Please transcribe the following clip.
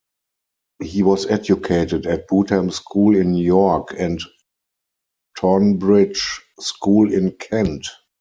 He was educated at Bootham School in York and Tonbridge School in Kent.